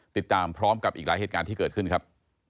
ติดตามพร้อมกับอีกหลายเหตุการณ์ที่เกิดขึ้นครับ